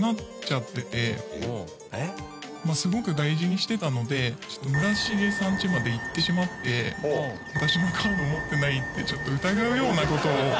「すごく大事にしてたので村重さんちまで行ってしまって“私のカード持ってない？”ってちょっと疑うような事を」